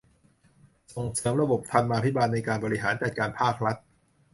ส่งเสริมระบบธรรมาภิบาลในการบริหารจัดการภาครัฐ